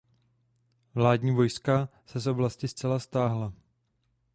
Vládní vojska se z oblasti zcela stáhla.